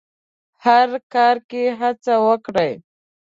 هر کار کې هڅه وکړئ.